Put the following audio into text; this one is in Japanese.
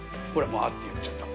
もう「あっ！」って言っちゃった。